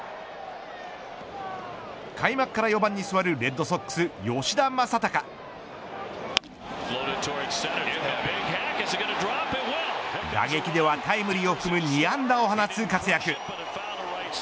開幕から４番に座るレッドソックス、吉田正尚打撃ではタイムリーを含む２安打を放つ活躍。